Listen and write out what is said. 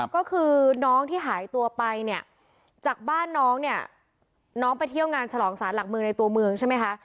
ก็คือน้องที่หายตัวไปเนี่ยจากบ้านน้องเนี่ยน้องไปเที่ยวงานฉลองสารหลักเมืองในตัวเมืองใช่ไหมคะ